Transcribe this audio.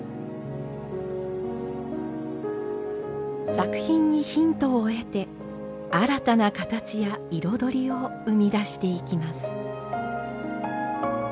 作品にヒントを得て新たな形や彩りを生み出していきます。